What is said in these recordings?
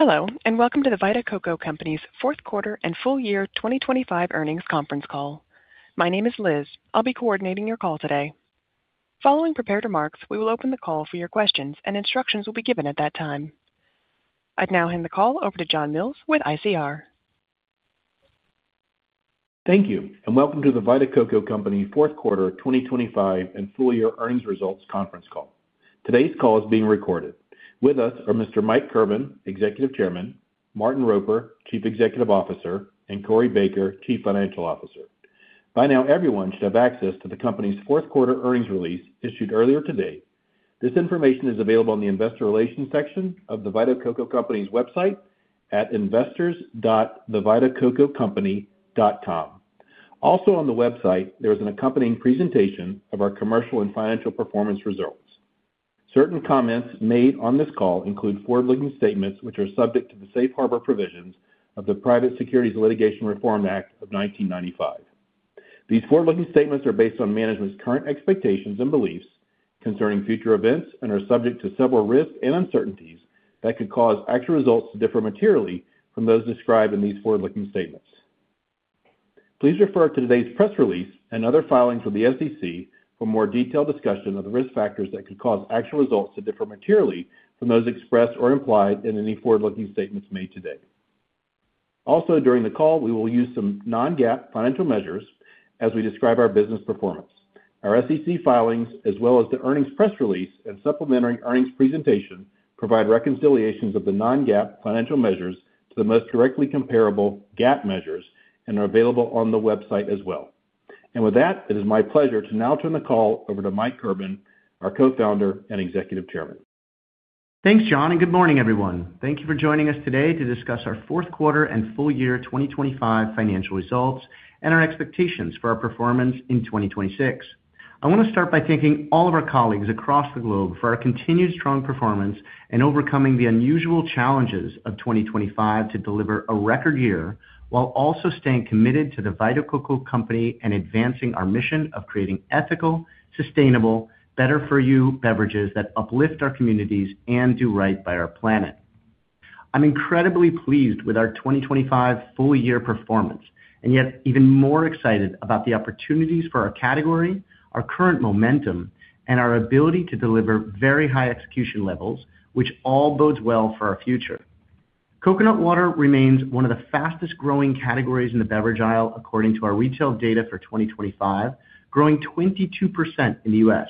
Hello, and welcome to the Vita Coco Company's Fourth Quarter and Full Year 2025 Earnings Conference Call. My name is Liz. I'll be coordinating your call today. Following prepared remarks, we will open the call for your questions, and instructions will be given at that time. I'd now hand the call over to John Mills with ICR. Thank you, and welcome to The Vita Coco Company fourth quarter 2025 and full year earnings results conference call. Today's call is being recorded. With us are Mr. Mike Kirban, Executive Chairman, Martin Roper, Chief Executive Officer, and Corey Baker, Chief Financial Officer. By now, everyone should have access to the company's fourth quarter earnings release issued earlier today. This information is available on the investor relations section of The Vita Coco Company's website at investors.thevitacococompany.com. Also on the website, there is an accompanying presentation of our commercial and financial performance results. Certain comments made on this call include forward-looking statements, which are subject to the safe harbor provisions of the Private Securities Litigation Reform Act of 1995. These forward-looking statements are based on management's current expectations and beliefs concerning future events and are subject to several risks and uncertainties that could cause actual results to differ materially from those described in these forward-looking statements. Please refer to today's press release and other filings with the SEC for more detailed discussion of the risk factors that could cause actual results to differ materially from those expressed or implied in any forward-looking statements made today. Also, during the call, we will use some non-GAAP financial measures as we describe our business performance. Our SEC filings, as well as the earnings press release and supplementary earnings presentation, provide reconciliations of the non-GAAP financial measures to the most directly comparable GAAP measures and are available on the website as well. With that, it is my pleasure to now turn the call over to Mike Kirban, our Co-Founder and Executive Chairman. Thanks, John, and good morning, everyone. Thank you for joining us today to discuss our fourth quarter and full year 2025 financial results and our expectations for our performance in 2026. I want to start by thanking all of our colleagues across the globe for our continued strong performance and overcoming the unusual challenges of 2025 to deliver a record year, while also staying committed to the Vita Coco Company and advancing our mission of creating ethical, sustainable, better for you beverages that uplift our communities and do right by our planet. I'm incredibly pleased with our 2025 full year performance, and yet even more excited about the opportunities for our category, our current momentum, and our ability to deliver very high execution levels, which all bodes well for our future. Coconut water remains one of the fastest growing categories in the beverage aisle, according to our retail data for 2025, growing 22% in the U.S.,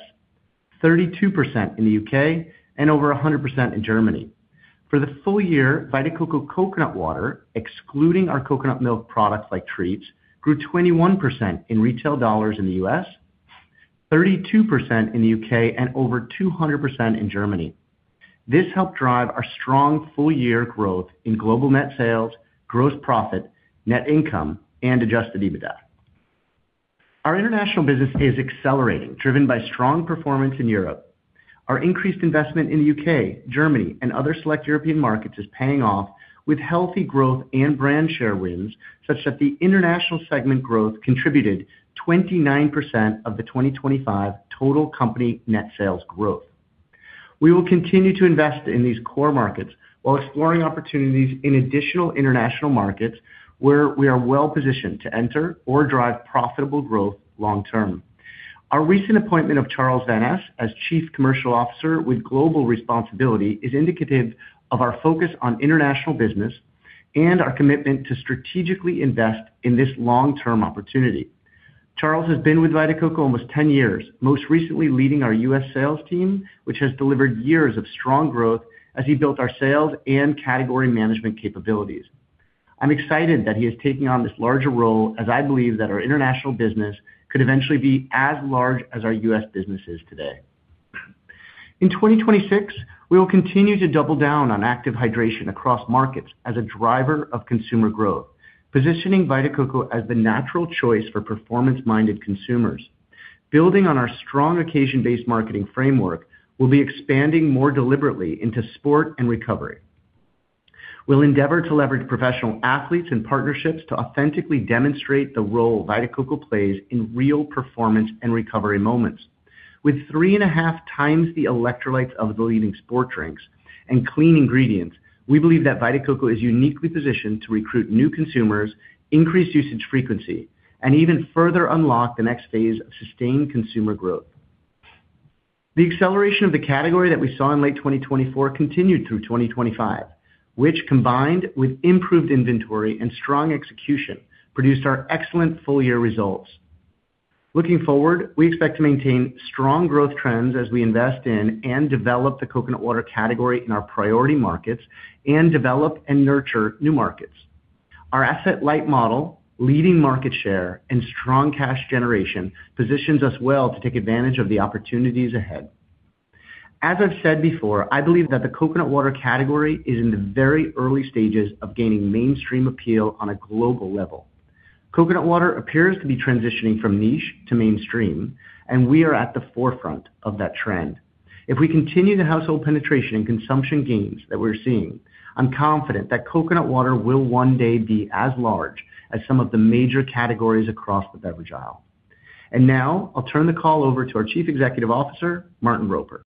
32% in the U.K., and over 100% in Germany. For the full year, Vita Coco Coconut Water, excluding our coconut milk products like Treats, grew 21% in retail dollars in the U.S., 32% in the U.K., and over 200% in Germany. This helped drive our strong full-year growth in global net sales, gross profit, net income, and Adjusted EBITDA. Our international business is accelerating, driven by strong performance in Europe. Our increased investment in the U.K., Germany, and other select European markets is paying off with healthy growth and brand share wins, such that the international segment growth contributed 29% of the 2025 total company net sales growth. We will continue to invest in these core markets while exploring opportunities in additional international markets where we are well positioned to enter or drive profitable growth long term. Our recent appointment of Charles van Es as Chief Commercial Officer with global responsibility is indicative of our focus on international business and our commitment to strategically invest in this long-term opportunity. Charles has been with Vita Coco almost 10 years, most recently leading our U.S. sales team, which has delivered years of strong growth as he built our sales and category management capabilities. I'm excited that he is taking on this larger role, as I believe that our international business could eventually be as large as our U.S. business is today. In 2026, we will continue to double down on active hydration across markets as a driver of consumer growth, positioning Vita Coco as the natural choice for performance-minded consumers. Building on our strong occasion-based marketing framework, we'll be expanding more deliberately into sport and recovery. We'll endeavor to leverage professional athletes and partnerships to authentically demonstrate the role Vita Coco plays in real performance and recovery moments. With 3.5x the electrolytes of the leading sport drinks and clean ingredients, we believe that Vita Coco is uniquely positioned to recruit new consumers, increase usage frequency, and even further unlock the next phase of sustained consumer growth. The acceleration of the category that we saw in late 2024 continued through 2025, which, combined with improved inventory and strong execution, produced our excellent full-year results. Looking forward, we expect to maintain strong growth trends as we invest in and develop the coconut water category in our priority markets and develop and nurture new markets. Our asset-light model, leading market share, and strong cash generation positions us well to take advantage of the opportunities ahead. As I've said before, I believe that the coconut water category is in the very early stages of gaining mainstream appeal on a global level. Coconut water appears to be transitioning from niche to mainstream, and we are at the forefront of that trend. If we continue the household penetration and consumption gains that we're seeing, I'm confident that coconut water will one day be as large as some of the major categories across the beverage aisle. And now I'll turn the call over to our Chief Executive Officer, Martin Roper.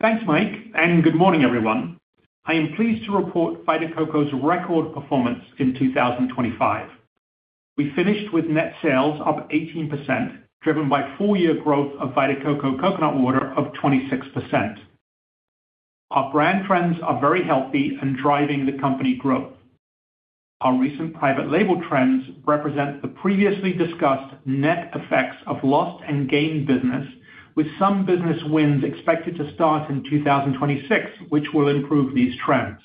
Thanks, Mike, and good morning, everyone. I am pleased to report Vita Coco's record performance in 2025. We finished with net sales up 18%, driven by full year growth of Vita Coco Coconut Water of 26%. Our brand trends are very healthy and driving the company growth. Our recent private label trends represent the previously discussed net effects of lost and gained business, with some business wins expected to start in 2026, which will improve these trends.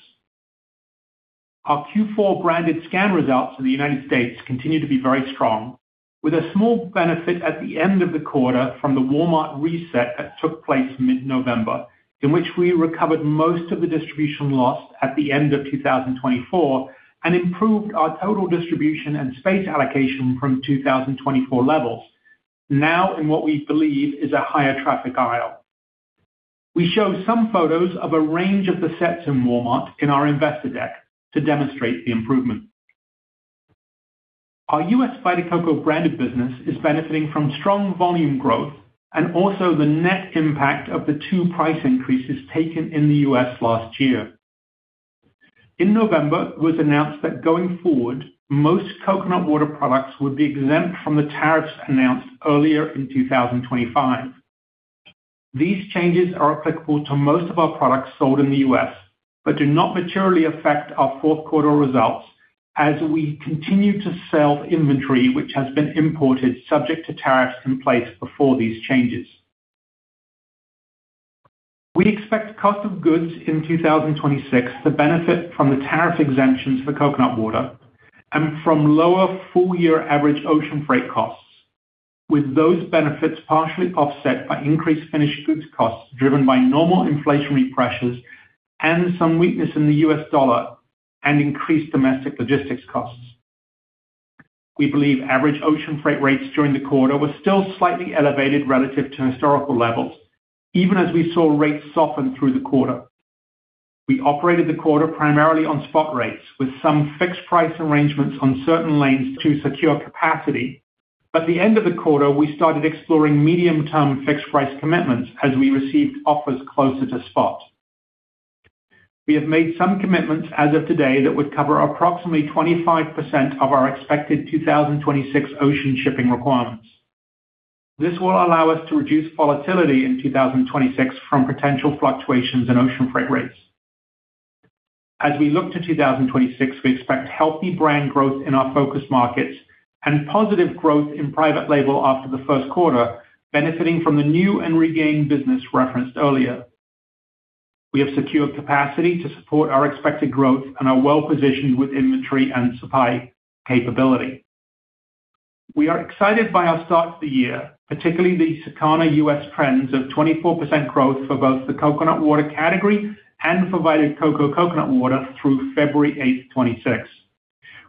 Our Q4 branded scan results in the United States continue to be very strong, with a small benefit at the end of the quarter from the Walmart reset that took place mid-November, in which we recovered most of the distribution loss at the end of 2024, and improved our total distribution and space allocation from 2024 levels. Now in what we believe is a higher traffic aisle. We show some photos of a range of the sets in Walmart in our investor deck to demonstrate the improvement. Our U.S. Vita Coco branded business is benefiting from strong volume growth and also the net impact of the two price increases taken in the U.S. last year. In November, it was announced that going forward, most coconut water products would be exempt from the tariffs announced earlier in 2025. These changes are applicable to most of our products sold in the U.S., but do not materially affect our fourth quarter results as we continue to sell inventory, which has been imported subject to tariffs in place before these changes. We expect cost of goods in 2026 to benefit from the tariff exemptions for coconut water and from lower full year average ocean freight costs, with those benefits partially offset by increased finished goods costs, driven by normal inflationary pressures and some weakness in the U.S. dollar and increased domestic logistics costs. We believe average ocean freight rates during the quarter were still slightly elevated relative to historical levels, even as we saw rates soften through the quarter. We operated the quarter primarily on spot rates, with some fixed price arrangements on certain lanes to secure capacity. At the end of the quarter, we started exploring medium-term fixed price commitments as we received offers closer to spot. We have made some commitments as of today that would cover approximately 25% of our expected 2026 ocean shipping requirements. This will allow us to reduce volatility in 2026 from potential fluctuations in ocean freight rates. As we look to 2026, we expect healthy brand growth in our focus markets and positive growth in private label after the first quarter, benefiting from the new and regained business referenced earlier. We have secured capacity to support our expected growth and are well positioned with inventory and supply capability. We are excited by our start to the year, particularly the scan data US trends of 24% growth for both the coconut water category and for Vita Coco Coconut Water through February 8, 2026,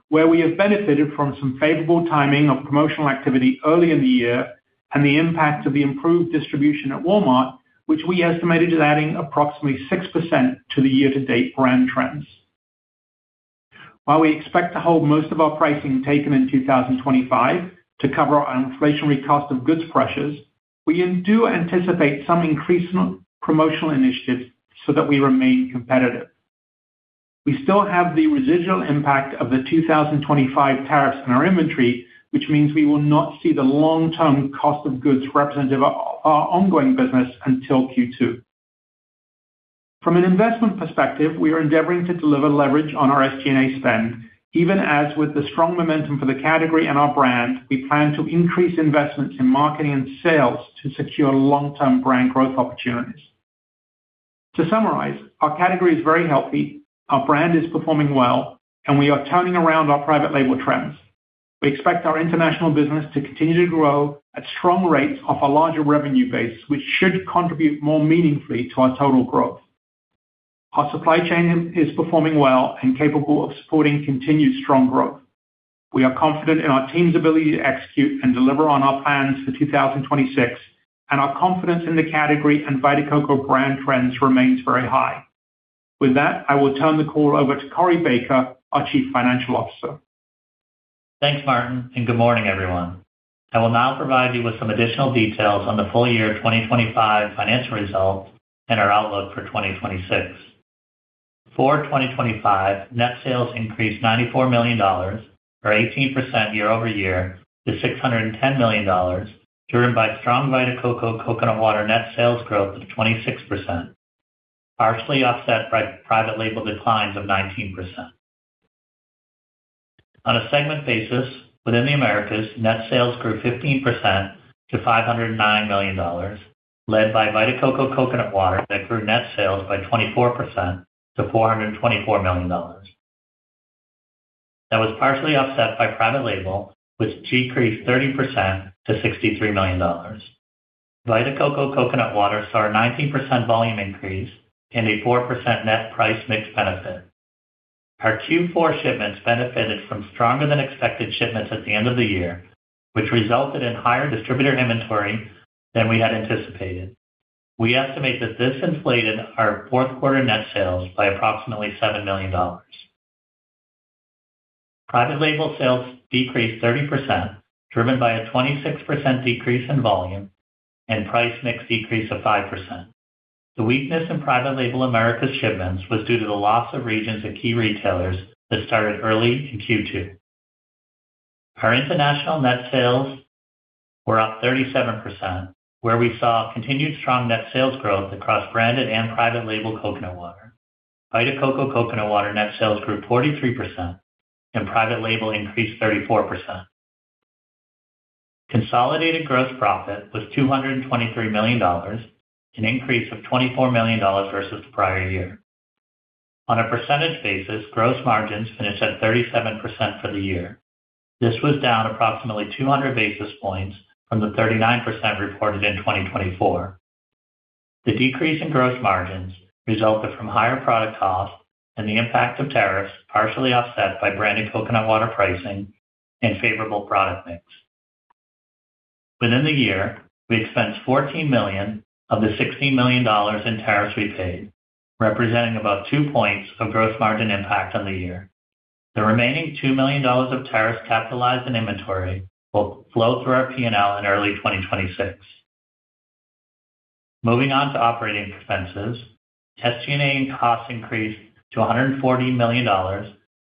where we have benefited from some favorable timing of promotional activity early in the year and the impact of the improved distribution at Walmart, which we estimated is adding approximately 6% to the year-to-date brand trends. While we expect to hold most of our pricing taken in 2025 to cover our inflationary cost of goods pressures, we do anticipate some increased promotional initiatives so that we remain competitive. We still have the residual impact of the 2025 tariffs on our inventory, which means we will not see the long-term cost of goods representative of our ongoing business until Q2. From an investment perspective, we are endeavoring to deliver leverage on our SG&A spend, even as with the strong momentum for the category and our brand, we plan to increase investments in marketing and sales to secure long-term brand growth opportunities. To summarize, our category is very healthy, our brand is performing well, and we are turning around our private label trends. We expect our international business to continue to grow at strong rates off a larger revenue base, which should contribute more meaningfully to our total growth. Our supply chain is performing well and capable of supporting continued strong growth. We are confident in our team's ability to execute and deliver on our plans for 2026, and our confidence in the category and Vita Coco brand trends remains very high. With that, I will turn the call over to Corey Baker, our Chief Financial Officer. Thanks, Martin, and good morning, everyone. I will now provide you with some additional details on the full year 2025 financial results and our outlook for 2026. For 2025, net sales increased $94 million or 18% year-over-year to $610 million, driven by strong Vita Coco coconut water net sales growth of 26%, partially offset by private label declines of 19%. On a segment basis, within the Americas, net sales grew 15% to $509 million, led by Vita Coco coconut water that grew net sales by 24% to $424 million. That was partially offset by private label, which decreased 30% to $63 million. Vita Coco coconut water saw a 19% volume increase and a 4% net price mix benefit. Our Q4 shipments benefited from stronger than expected shipments at the end of the year, which resulted in higher distributor inventory than we had anticipated. We estimate that this inflated our fourth quarter net sales by approximately $7 million. Private label sales decreased 30%, driven by a 26% decrease in volume and price mix decrease of 5%. The weakness in Private Label Americas shipments was due to the loss of regions of key retailers that started early in Q2. Our international net sales were up 37%, where we saw continued strong net sales growth across branded and private label coconut water. Vita Coco Coconut Water net sales grew 43% and private label increased 34%. Consolidated gross profit was $223 million, an increase of $24 million versus the prior year. On a percentage basis, gross margins finished at 37% for the year. This was down approximately 200 basis points from the 39% reported in 2024. The decrease in gross margins resulted from higher product costs and the impact of tariffs, partially offset by branded coconut water pricing and favorable product mix. Within the year, we expensed $14 million of the $16 million in tariffs we paid, representing about 2 points of gross margin impact on the year. The remaining $2 million of tariffs capitalized in inventory will flow through our P&L in early 2026. Moving on to operating expenses. SG&A costs increased to $140 million,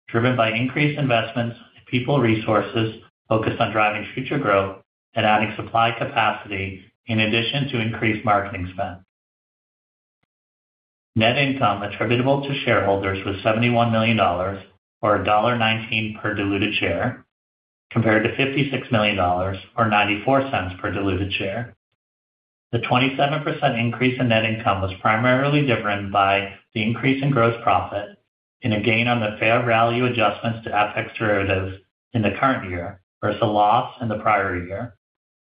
driven by increased investments in people resources focused on driving future growth and adding supply capacity, in addition to increased marketing spend. Net income attributable to shareholders was $71 million, or $1.19 per diluted share, compared to $56 million or $0.94 per diluted share. The 27% increase in net income was primarily driven by the increase in gross profit and a gain on the fair value adjustments to FX derivatives in the current year versus a loss in the prior year,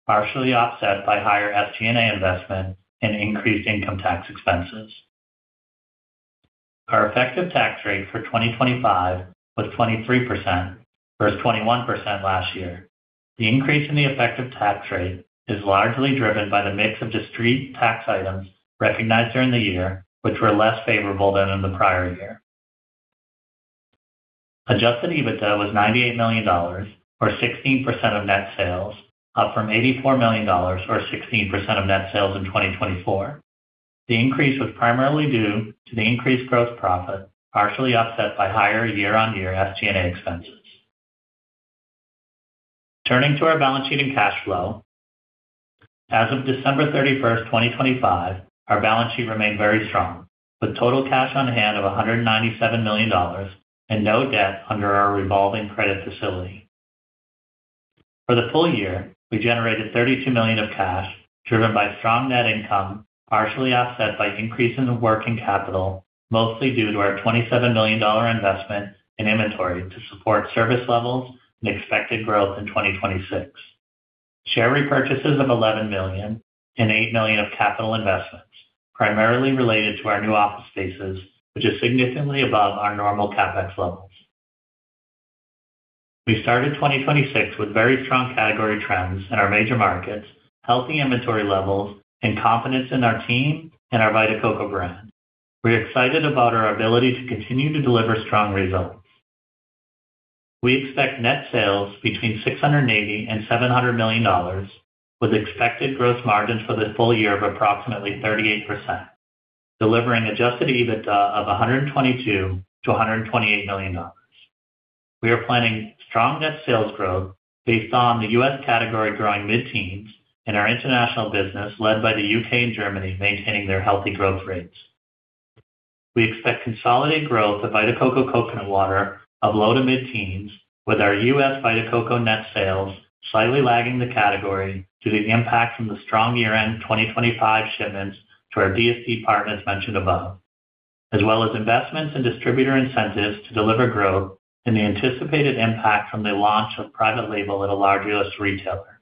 partially offset by higher SG&A investment and increased income tax expenses. Our effective tax rate for 2025 was 23% versus 21% last year. The increase in the effective tax rate is largely driven by the mix of discrete tax items recognized during the year, which were less favorable than in the prior year. Adjusted EBITDA was $98 million, or 16% of net sales, up from $84 million or 16% of net sales in 2024. The increase was primarily due to the increased gross profit, partially offset by higher year-on-year SG&A expenses. Turning to our balance sheet and cash flow. As of December thirty-first, 2025, our balance sheet remained very strong, with total cash on hand of $197 million and no debt under our revolving credit facility. For the full year, we generated $32 million of cash, driven by strong net income, partially offset by increase in working capital, mostly due to our $27 million investment in inventory to support service levels and expected growth in 2026. Share repurchases of $11 million and $8 million of capital investments, primarily related to our new office spaces, which is significantly above our normal CapEx levels. We started 2026 with very strong category trends in our major markets, healthy inventory levels, and confidence in our team and our Vita Coco brand. We're excited about our ability to continue to deliver strong results. We expect net sales between $680 million and $700 million, with expected gross margins for the full year of approximately 38%, delivering adjusted EBITDA of $122 million to $128 million. We are planning strong net sales growth based on the U.S. category growing mid-teens and our international business, led by the U.K. and Germany, maintaining their healthy growth rates. We expect consolidated growth of Vita Coco Coconut Water of low to mid-teens, with our U.S. Vita Coco net sales slightly lagging the category due to the impact from the strong year-end 2025 shipments to our DSD partners mentioned above, as well as investments in distributor incentives to deliver growth and the anticipated impact from the launch of private label at a large U.S. retailer.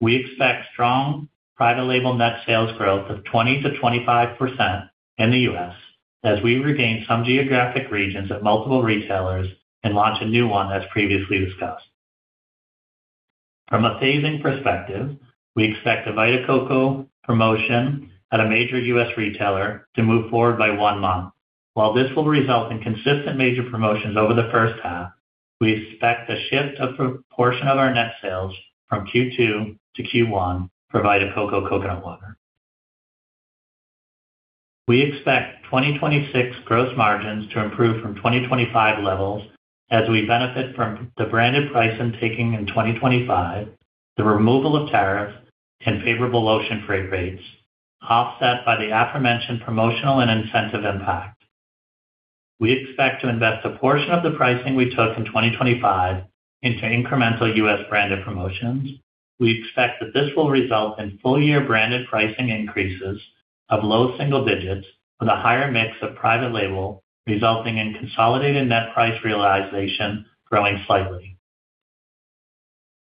We expect strong private label net sales growth of 20%-25% in the U.S. as we regain some geographic regions of multiple retailers and launch a new one, as previously discussed. From a phasing perspective, we expect the Vita Coco promotion at a major U.S. retailer to move forward by one month. While this will result in consistent major promotions over the first half, we expect a shift of proportion of our net sales from Q2 to Q1 for Vita Coco Coconut Water. We expect 2026 gross margins to improve from 2025 levels as we benefit from the branded price and taking in 2025, the removal of tariffs and favorable ocean freight rates, offset by the aforementioned promotional and incentive impact. We expect to invest a portion of the pricing we took in 2025 into incremental U.S. branded promotions. We expect that this will result in full-year branded pricing increases of low-single digits, with a higher mix of private label, resulting in consolidated net price realization growing slightly.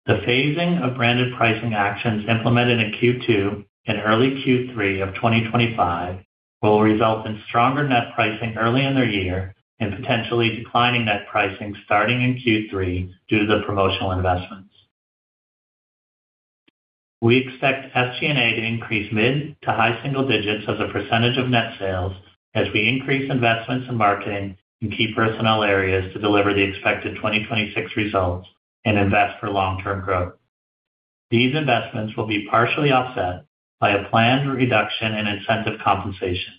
The phasing of branded pricing actions implemented in Q2 and early Q3 of 2025 will result in stronger net pricing early in the year and potentially declining net pricing starting in Q3 due to the promotional investments. We expect SG&A to increase mid- to high-single digits as a percentage of net sales, as we increase investments in marketing and key personnel areas to deliver the expected 2026 results and invest for long-term growth. These investments will be partially offset by a planned reduction in incentive compensation.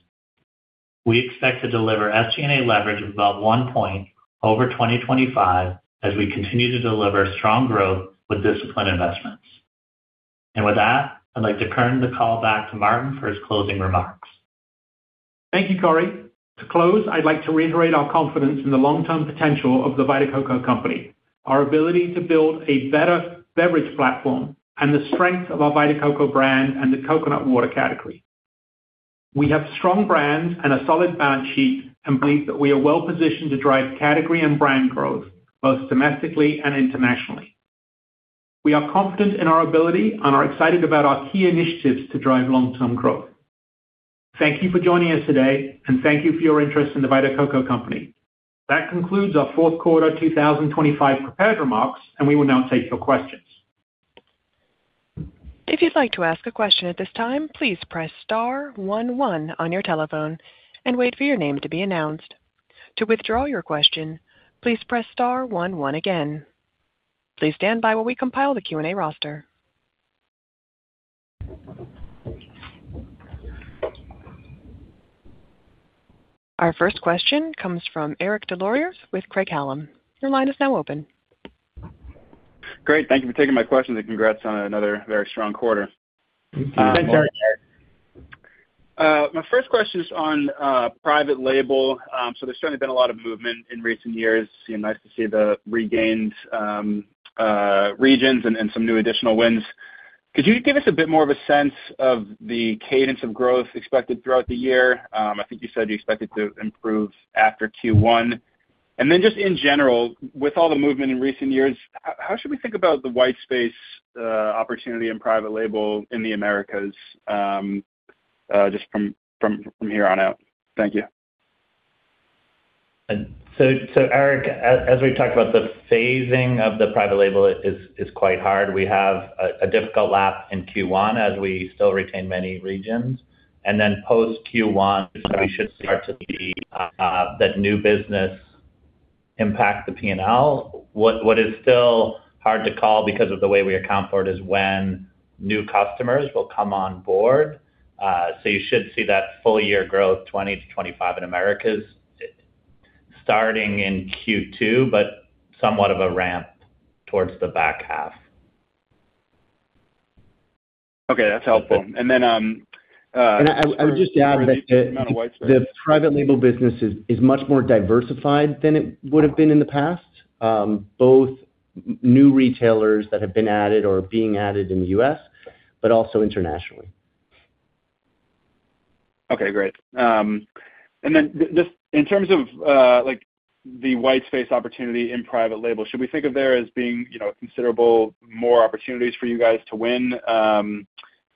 We expect to deliver SG&A leverage of about one point over 2025 as we continue to deliver strong growth with disciplined investments. With that, I'd like to turn the call back to Martin for his closing remarks. Thank you, Corey. To close, I'd like to reiterate our confidence in the long-term potential of the Vita Coco Company, our ability to build a better beverage platform, and the strength of our Vita Coco brand and the coconut water category. We have strong brands and a solid balance sheet, and believe that we are well positioned to drive category and brand growth, both domestically and internationally. We are confident in our ability and are excited about our key initiatives to drive long-term growth. Thank you for joining us today, and thank you for your interest in the Vita Coco Company. That concludes our fourth quarter, 2025 prepared remarks, and we will now take your questions. If you'd like to ask a question at this time, please press star one one on your telephone and wait for your name to be announced. To withdraw your question, please press star one one again. Please stand by while we compile the Q&A roster. Our first question comes from Eric Des Lauriers with Craig-Hallum. Your line is now open. Great. Thank you for taking my question, and congrats on another very strong quarter. Thanks, Eric. My first question is on private label. So there's certainly been a lot of movement in recent years. Seemed nice to see the regained regions and some new additional wins. Could you give us a bit more of a sense of the cadence of growth expected throughout the year? I think you said you expect it to improve after Q1. And then just in general, with all the movement in recent years, how should we think about the white space opportunity and private label in the Americas, just from here on out? Thank you. So, Eric, as we talked about, the phasing of the private label is quite hard. We have a difficult lap in Q1, as we still retain many regions. And then post Q1, we should start to see that new business impact the P&L. What is still hard to call, because of the way we account for it, is when new customers will come on board. So you should see that full year growth, 20-25 in Americas, starting in Q2, but somewhat of a ramp towards the back half. Okay, that's helpful. And then, And I would just add that the private label business is much more diversified than it would have been in the past, both new retailers that have been added or are being added in the U.S., but also internationally. Okay, great. And then just in terms of, like, the white space opportunity in private label, should we think of there as being, you know, considerable more opportunities for you guys to win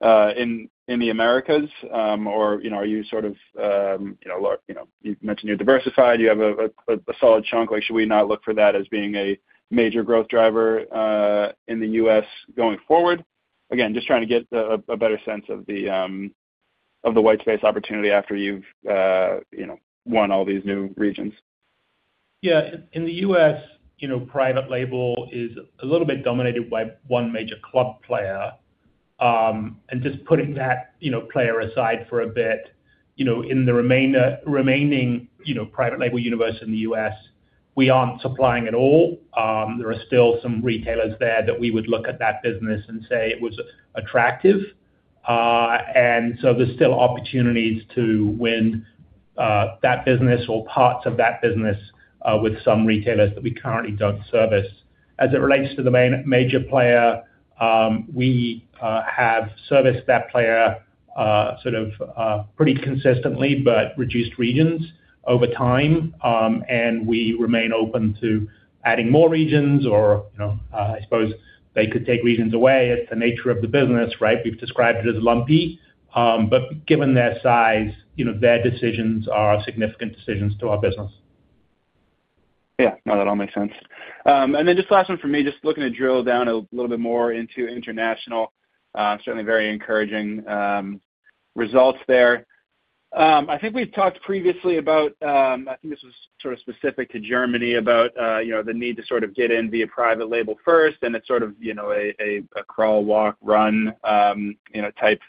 in the Americas? Or, you know, are you sort of, you know, look, you know, you've mentioned you're diversified, you have a solid chunk. Like, should we not look for that as being a major growth driver in the U.S. going forward? Again, just trying to get a better sense of the white space opportunity after you've, you know, won all these new regions. Yeah. In the U.S., you know, private label is a little bit dominated by one major club player. And just putting that, you know, player aside for a bit, you know, in the remaining, you know, private label universe in the U.S., we aren't supplying at all. There are still some retailers there that we would look at that business and say it was attractive. And so there's still opportunities to win that business or parts of that business with some retailers that we currently don't service. As it relates to the major player, we have serviced that player sort of pretty consistently, but reduced regions over time, and we remain open to adding more regions or, you know, I suppose they could take regions away. It's the nature of the business, right? We've described it as lumpy. But given their size, you know, their decisions are significant decisions to our business. Yeah. No, that all makes sense. And then just last one for me, just looking to drill down a little bit more into international. Certainly very encouraging, results there. I think we've talked previously about, I think this was sort of specific to Germany, about, you know, the need to sort of get in via private label first, and it's sort of, you know, a crawl, walk, run, you know, type,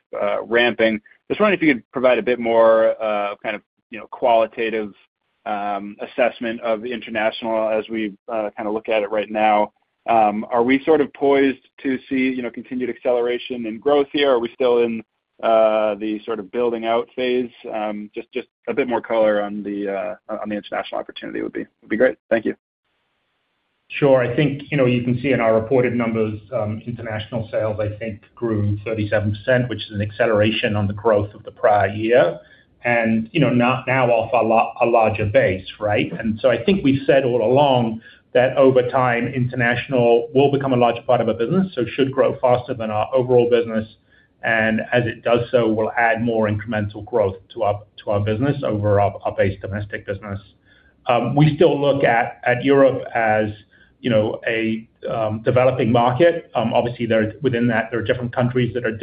ramping. Just wondering if you could provide a bit more, kind of, you know, qualitative, assessment of international as we, kind of look at it right now. Are we sort of poised to see, you know, continued acceleration in growth here? Are we still in, the sort of building out phase? Just a bit more color on the international opportunity would be great. Thank you. Sure. I think, you know, you can see in our reported numbers, international sales, I think, grew 37%, which is an acceleration on the growth of the prior year, and, you know, now off a larger base, right? And so I think we've said all along that over time, international will become a large part of our business, so it should grow faster than our overall business, and as it does so, will add more incremental growth to our business over our base domestic business. We still look at Europe as, you know, a developing market. Obviously, there, within that, there are different countries that are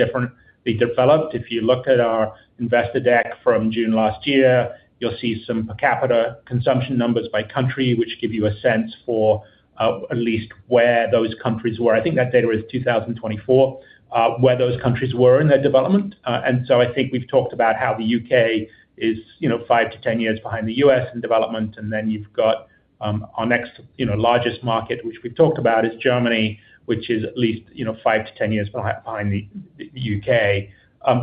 differently developed. If you look at our investor deck from June last year, you'll see some per capita consumption numbers by country, which give you a sense for at least where those countries were. I think that data is 2024 where those countries were in their development. And so I think we've talked about how the U.K. is, you know, 5-10 years behind the U.S. in development, and then you've got our next, you know, largest market, which we've talked about, is Germany, which is at least, you know, 5-10 years behind the U.K.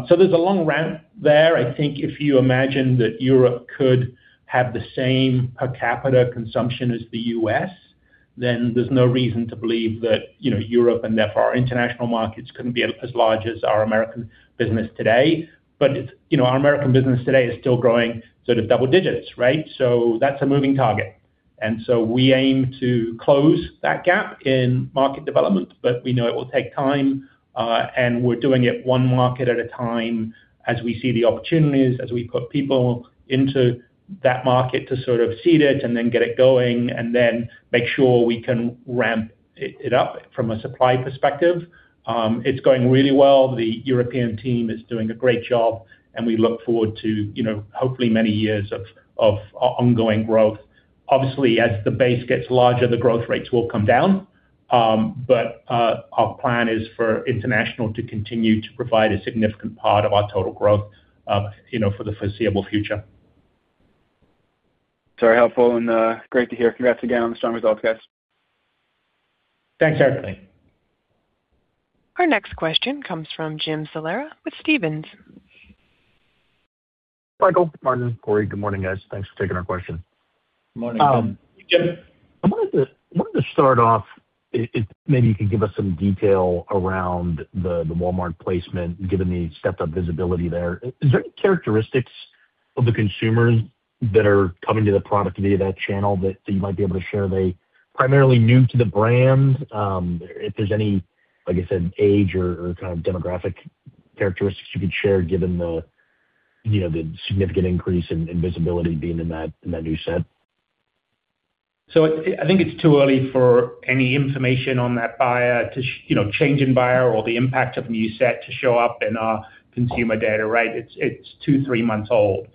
So there's a long ramp there. I think if you imagine that Europe could have the same per capita consumption as the U.S., then there's no reason to believe that, you know, Europe, and therefore our international markets, couldn't be as large as our American business today. But, you know, our American business today is still growing sort of double digits, right? So that's a moving target. And so we aim to close that gap in market development, but we know it will take time, and we're doing it one market at a time as we see the opportunities, as we put people into that market to sort of seed it and then get it going, and then make sure we can ramp it up from a supply perspective. It's going really well. The European team is doing a great job, and we look forward to, you know, hopefully many years of ongoing growth. Obviously, as the base gets larger, the growth rates will come down, but our plan is for international to continue to provide a significant part of our total growth, you know, for the foreseeable future. Very helpful, and, great to hear. Congrats again on the strong results, guys. Thanks, Anthony. Our next question comes from Jim Salera with Stephens. Michael, Martin, Corey, good morning, guys. Thanks for taking our question. Morning, Jim. I wanted to start off if maybe you could give us some detail around the Walmart placement, given the stepped-up visibility there. Is there any characteristics of the consumers that are coming to the product via that channel that you might be able to share? Are they primarily new to the brand? If there's any, like I said, age or kind of demographic characteristics you could share given the, you know, the significant increase in visibility being in that new set. So I think it's too early for any information on that buyer to show up. You know, change in buyer or the impact of a new set to show up in our consumer data, right? It's two, three months old.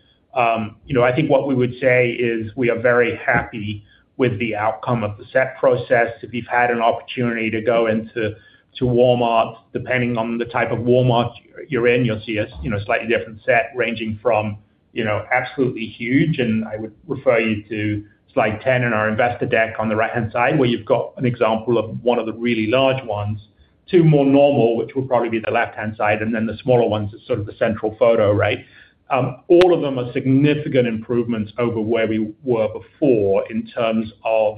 You know, I think what we would say is we are very happy with the outcome of the set process. If you've had an opportunity to go into Walmart, depending on the type of Walmart you're in, you'll see a, you know, slightly different set, ranging from, you know, absolutely huge, and I would refer you to slide 10 in our investor deck on the right-hand side, where you've got an example of one of the really large ones, to more normal, which will probably be the left-hand side, and then the smaller ones are sort of the central photo, right? All of them are significant improvements over where we were before in terms of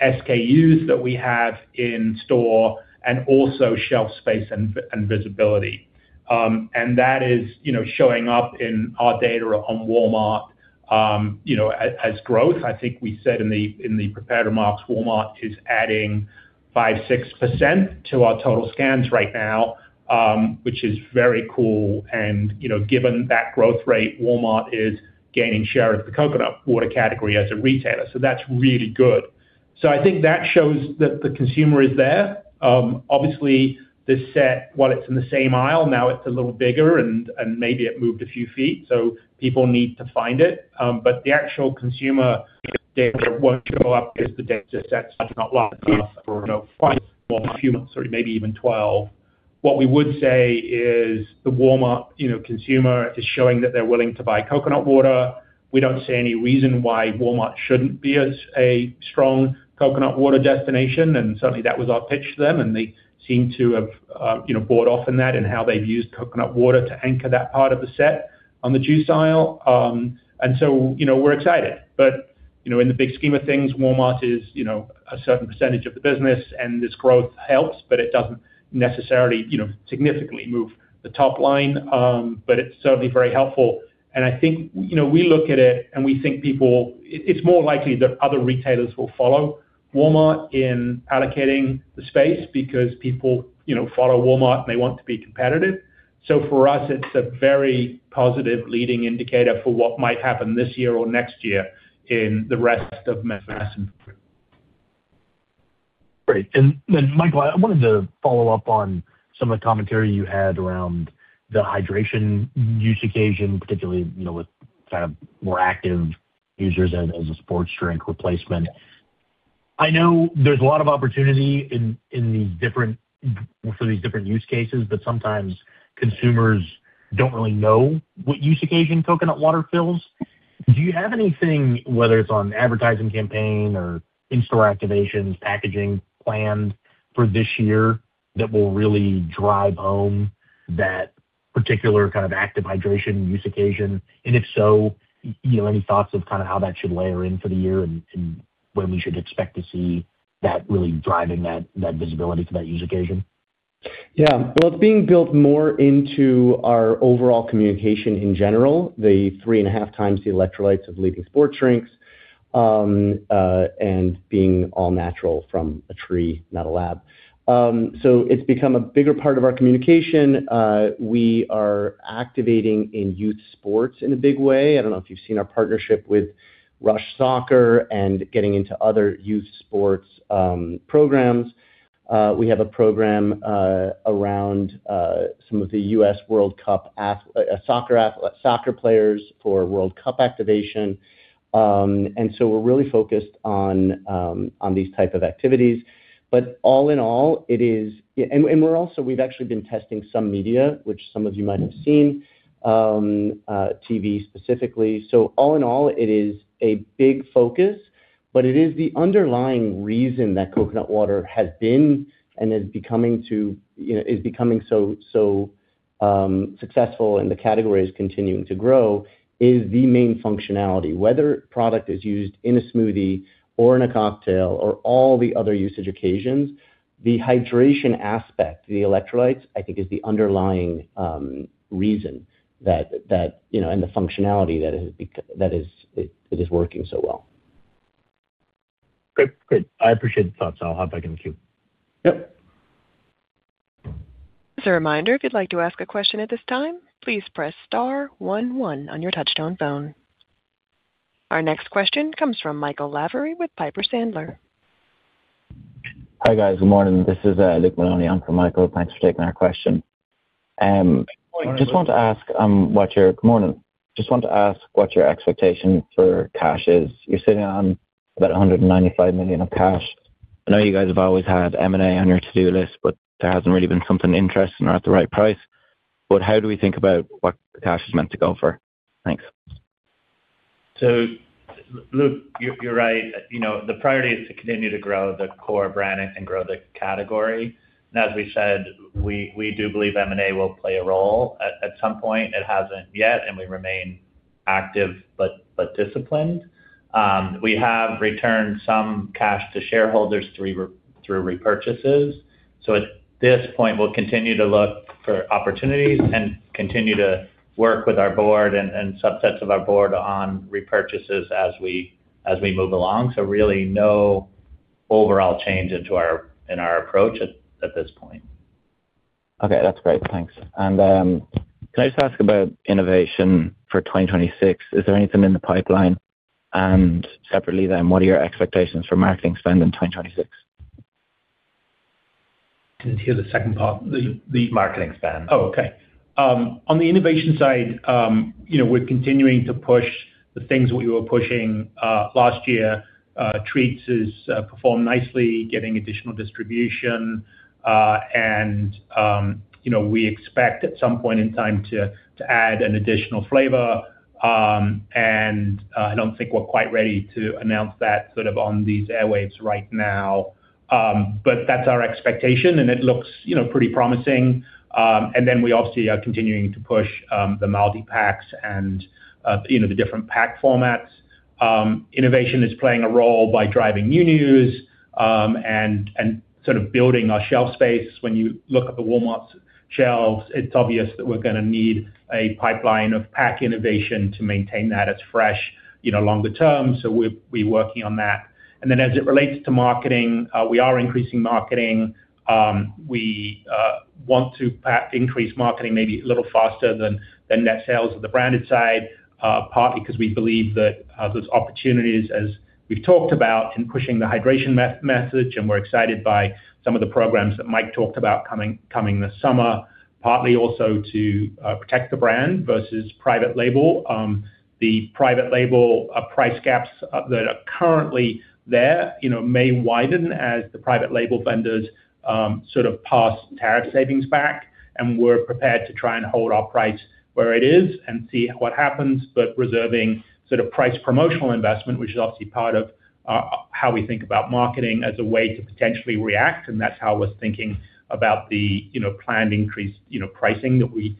SKUs that we have in store and also shelf space and visibility. That is, you know, showing up in our data on Walmart, you know, as growth. I think we said in the prepared remarks, Walmart is adding 5%-6% to our total scans right now, which is very cool. You know, given that growth rate, Walmart is gaining share of the coconut water category as a retailer, so that's really good. I think that shows that the consumer is there. Obviously, the set, while it's in the same aisle, now it's a little bigger and maybe it moved a few feet, so people need to find it. But the actual consumer data won't show up because the data set is not long enough for, you know, five or more months, or maybe even 12. What we would say is, the Walmart, you know, consumer is showing that they're willing to buy coconut water. We don't see any reason why Walmart shouldn't be as a strong coconut water destination, and certainly, that was our pitch to them, and they seem to have, you know, bought off on that and how they've used coconut water to anchor that part of the set on the juice aisle. And so, you know, we're excited. But, you know, in the big scheme of things, Walmart is, you know, a certain percentage of the business, and this growth helps, but it doesn't necessarily, you know, significantly move the top line. But it's certainly very helpful. I think, you know, we look at it and we think people. It, it's more likely that other retailers will follow Walmart in allocating the space because people, you know, follow Walmart, and they want to be competitive. So for us, it's a very positive leading indicator for what might happen this year or next year in the rest of mass. Great. And then, Michael, I wanted to follow up on some of the commentary you had around the hydration use occasion, particularly, you know, with kind of more active users as a sports drink replacement. I know there's a lot of opportunity in these different use cases, but sometimes consumers don't really know what use occasion coconut water fills. Do you have anything, whether it's on advertising campaign or in-store activations, packaging plans for this year, that will really drive home that particular kind of active hydration use occasion? And if so, you know, any thoughts of kind of how that should layer in for the year and when we should expect to see that really driving that visibility for that use occasion? Yeah. Well, it's being built more into our overall communication in general, 3.5x the electrolytes of leading sports drinks. and being all natural from a tree, not a lab. So it's become a bigger part of our communication. We are activating in youth sports in a big way. I don't know if you've seen our partnership with Rush Soccer and getting into other youth sports, programs. We have a program around some of the U.S. World Cup soccer players for World Cup activation. And so we're really focused on these type of activities. But all in all, it is. And we're also, we've actually been testing some media, which some of you might have seen, TV specifically. So all in all, it is a big focus, but it is the underlying reason that coconut water has been and is becoming to, you know, is becoming so, so, successful and the category is continuing to grow, is the main functionality. Whether product is used in a smoothie or in a cocktail or all the other usage occasions, the hydration aspect, the electrolytes, I think, is the underlying reason that, you know, and the functionality that it is working so well. Great. Great. I appreciate the thoughts. I'll hop back in the queue. Yep. As a reminder, if you'd like to ask a question at this time, please press star one one on your touchtone phone. Our next question comes from Michael Lavery with Piper Sandler. Hi, guys. Good morning. This is Luke Maloney in for Michael. Thanks for taking our question. Good morning. Just wanted to ask what your expectation for cash is. You're sitting on about $195 million of cash. I know you guys have always had M&A on your to-do list, but there hasn't really been something interesting or at the right price. But how do we think about what the cash is meant to go for? Thanks. So, Luke, you're right. You know, the priority is to continue to grow the core brand and grow the category. And as we said, we do believe M&A will play a role at some point. It hasn't yet, and we remain active but disciplined. We have returned some cash to shareholders through repurchases. So at this point, we'll continue to look for opportunities and continue to work with our board and subsets of our board on repurchases as we move along. So really, no overall change in our approach at this point. Okay, that's great. Thanks. And, can I just ask about innovation for 2026? Is there anything in the pipeline? And separately then, what are your expectations for marketing spend in 2026? Didn't hear the second part. The marketing spend. Oh, okay. On the innovation side, you know, we're continuing to push the things we were pushing last year. Treats has performed nicely, getting additional distribution. And, you know, we expect at some point in time to add an additional flavor. And, I don't think we're quite ready to announce that sort of on these airwaves right now. But that's our expectation, and it looks, you know, pretty promising. And then we obviously are continuing to push the multi-packs and, you know, the different pack formats. Innovation is playing a role by driving new news, and sort of building our shelf space. When you look at the Walmart shelves, it's obvious that we're gonna need a pipeline of pack innovation to maintain that as fresh, you know, longer term. So we're working on that. And then as it relates to marketing, we are increasing marketing. We want to perhaps increase marketing maybe a little faster than net sales on the branded side, partly because we believe that there's opportunities, as we've talked about, in pushing the hydration message, and we're excited by some of the programs that Mike talked about coming this summer, partly also to protect the brand versus private label. The private label price gaps that are currently there, you know, may widen as the private label vendors sort of pass tariff savings back, and we're prepared to try and hold our price where it is and see what happens, but reserving sort of price promotional investment, which is obviously part of how we think about marketing as a way to potentially react, and that's how I was thinking about the, you know, planned increase, you know, pricing that we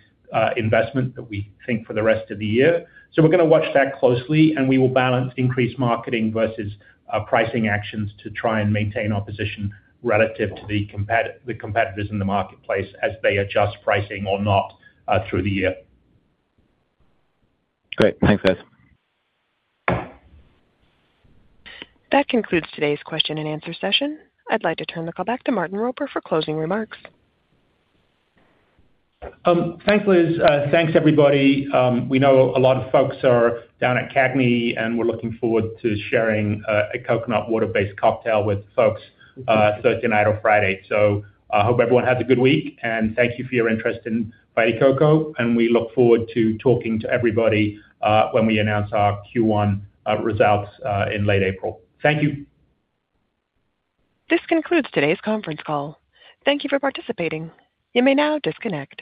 investment that we think for the rest of the year. So we're gonna watch that closely, and we will balance increased marketing versus pricing actions to try and maintain our position relative to the competitors in the marketplace as they adjust pricing or not through the year. Great. Thanks, guys. That concludes today's question and answer session. I'd like to turn the call back to Martin Roper for closing remarks. Thanks, Liz. Thanks, everybody. We know a lot of folks are down at CAGNY, and we're looking forward to sharing a coconut water-based cocktail with folks Thursday night or Friday. So I hope everyone has a good week, and thank you for your interest in Vita Coco, and we look forward to talking to everybody when we announce our Q1 results in late April. Thank you. This concludes today's conference call. Thank you for participating. You may now disconnect.